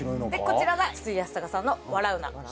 こちらが筒井康隆さんの『笑うな』。